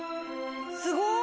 すごい！